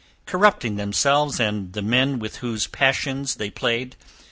corrupting themselves and the men with whose passions they played?